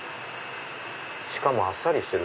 しかもあっさりしてる。